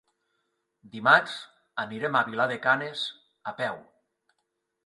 Dimarts anirem a Vilar de Canes a peu.